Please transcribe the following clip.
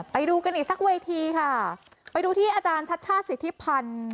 ไปดูกันอีกสักเวทีค่ะไปดูที่อาจารย์ชัชชาติสิทธิพันธ์